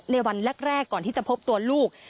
ในวันแรกก่อนที่จะพบตัวลูก